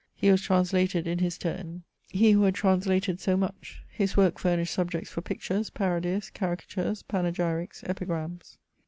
He was translated in his turn — ^he who had translated so much. His work fur nished subjects for pictures, parodies, caricatures, panegyrics, epigrams.